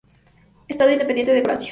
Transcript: Estado Independiente de Croacia